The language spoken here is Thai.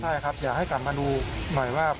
ใช่ครับอยากให้กลับมาดูหน่อยว่า